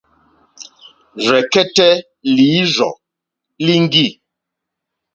Rzɛ̀kɛ́tɛ́ lǐrzɔ̀ líŋɡî.